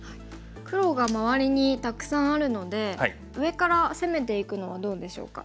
黒が周りにたくさんあるので上から攻めていくのはどうでしょうか。